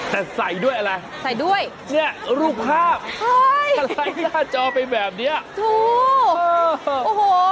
แต่ใส่ด้วยอะไรเนี่ยรูปภาพทาลัยหน้าจอไปแบบนี้โอ้โห